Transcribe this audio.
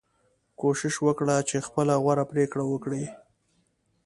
کوشش وکړئ چې خپله غوره پریکړه وکړئ.